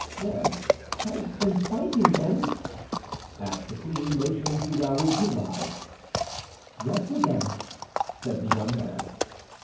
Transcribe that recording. "There has been fighting, then?" asked the queen, motioning to Raoul to rise. "Yes, madame," said the young man.